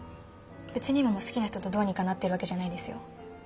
別に今も好きな人とどうにかなってるわけじゃないですよ。